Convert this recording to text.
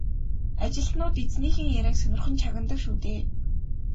Ажилтнууд эзнийхээ яриаг сонирхон чагнадаг шүү дээ.